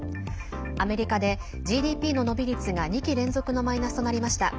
アメリカでＧＤＰの伸び率が２期連続のマイナスとなりました。